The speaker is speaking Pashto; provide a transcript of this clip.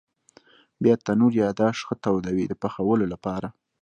بیا تنور یا داش ښه تودوي د پخولو لپاره.